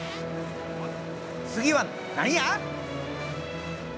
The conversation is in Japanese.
次は何や！？